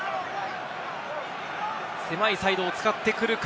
狭いサイドを使ってくるか。